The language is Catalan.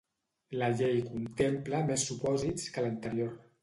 La llei contempla més supòsits que l'anterior